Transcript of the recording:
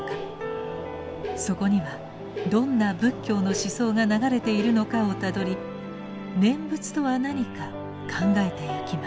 そこにはどんな仏教の思想が流れているのかをたどり念仏とは何か考えてゆきます。